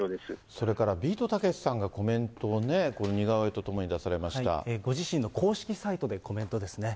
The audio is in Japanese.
それからビートたけしさんがコメントをね、似顔絵と共に出さご自身の公式サイトでコメントですね。